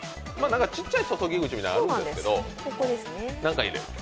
ちっちゃい注ぎ口みたいなのがあるんですけど、何か入れる。